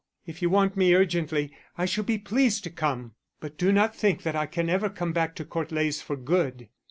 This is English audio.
If you want me urgently I shall be pleased to come. But do not think that I can ever come back to Court Leys for good.